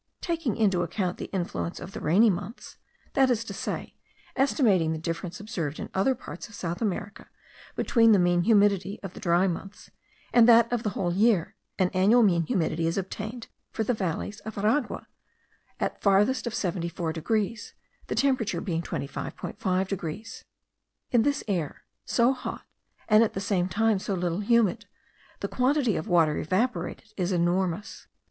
Taking into account the influence of the rainy months, that is to say, estimating the difference observed in other parts of South America between the mean humidity of the dry months and that of the whole year; an annual mean humidity is obtained, for the valleys of Aragua, at farthest of 74 degrees, the temperature being 25.5 degrees. In this air, so hot, and at the same time so little humid, the quantity of water evaporated is enormous.